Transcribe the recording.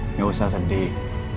eh gak usah sedih